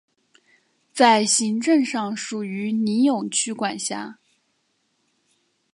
在行政上属于尼永区管辖。